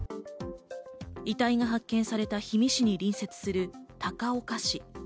遺体が発見された氷見市に隣接する高岡市。